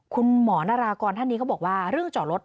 คุณหมอนารากรท่านนี้เขาบอกว่าเรื่องจอดรถ